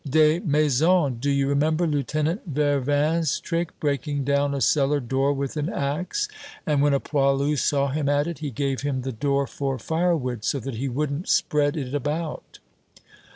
Desmaisons, do you remember Lieutenant Virvin's trick, breaking down a cellar door with an ax? And when a poilu saw him at it, he gave him the door for firewood, so that he wouldn't spread it about."